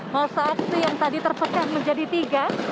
masa aksi yang tadi terpekan menjadi tiga